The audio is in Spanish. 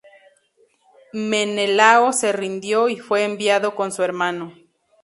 Menelao se rindió, y fue enviado con su hermano.